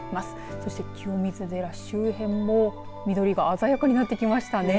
そして清水清水寺周辺も緑が鮮やかになってきましたね。